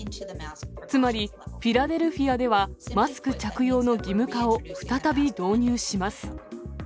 つまり、フィラデルフィアでは、マスク着用の義務化を再び導入します。